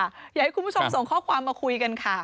อยากให้คุณผู้ชมส่งข้อความมาคุยกันค่ะ